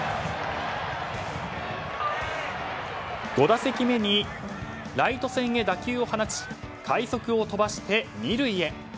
５打席目にライト線へ打球を放ち快足を飛ばして２塁へ。